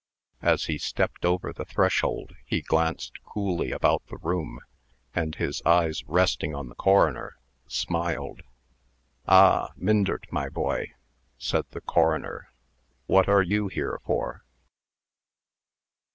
As he stepped over the threshold, he glanced coolly about the room, and, his eyes resting on the coroner, smiled. "Ah, Myndert, my boy," said the coroner, "what are you here for?"